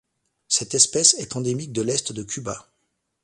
Cette espèce est endémique de l'est de Cuba.